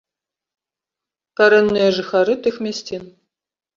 Карэнныя жыхары тых мясцін.